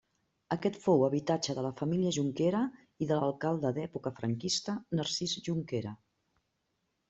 Aquest fou habitatge de la família Junquera i de l'alcalde d'època franquista Narcís Junquera.